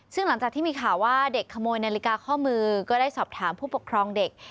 ซึ่งหลังจากที่มีข่าวว่าเด็กขโมยนาฬิกาข้อมือก็ได้สอบถามผู้ปกครองเด็ก